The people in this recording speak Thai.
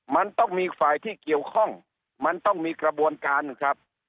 มันต้องมีฝ่ายที่เกี่ยวข้องมันต้องมีกระบวนการครับ